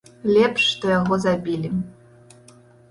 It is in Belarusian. Лепш, што яго забілі.